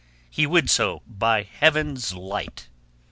He would so, by Heaven's light!